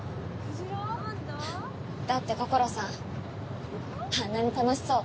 だって心さんあんなに楽しそう。